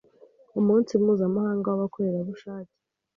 Umunsi Mpuzamahanga w’Abakorerabushake